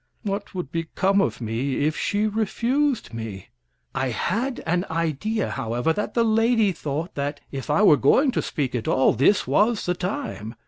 What would become of me if she refused me? I had an idea, however, that the lady thought that, if I were going to speak at all, this was the time.